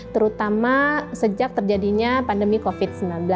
terutama sejak terjadinya pandemi covid sembilan belas